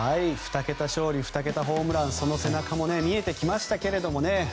２桁勝利、２桁ホームランその背中も見えてきました。